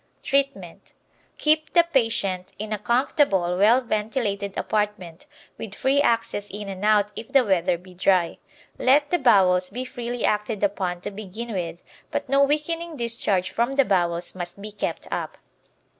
Treatment Keep the patient in a comfortable, well ventilated apartment, with free access in and out if the weather be dry. Let the bowels be freely acted upon to begin with, but no weakening discharge from the bowels must be kept up.